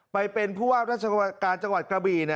ไปเป็นผู้ว่าราชการจังหวัดกระบี่